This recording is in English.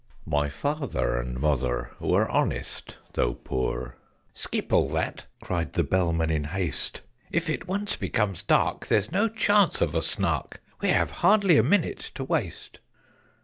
"My father and mother were honest, though poor " "Skip all that!" cried the Bellman in haste. "If it once becomes dark, there's no chance of a Snark We have hardly a minute to waste!"